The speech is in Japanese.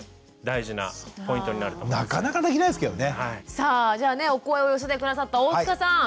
さあじゃあねお声を寄せて下さった大塚さん。